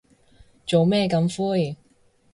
做咩咁灰